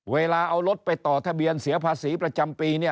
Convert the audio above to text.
เวลาเอารถไปต่อทะเบียนเสียภาษีประจำปี